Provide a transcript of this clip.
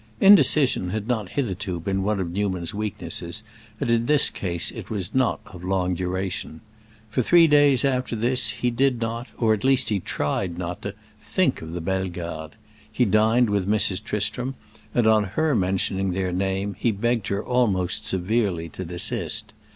Indecision had not hitherto been one of Newman's weaknesses, and in this case it was not of long duration. For three days after this he did not, or at least he tried not to, think of the Bellegardes. He dined with Mrs. Tristram, and on her mentioning their name, he begged her almost severely to desist.